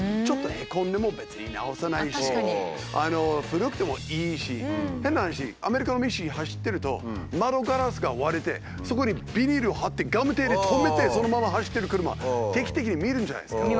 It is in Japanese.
古くてもいいし変な話アメリカの道走ってると窓ガラスが割れてそこにビニールを張ってガムテで留めてそのまま走ってる車定期的に見るじゃないですか。